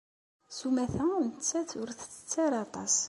S umata, nettat ur tettett aṭas.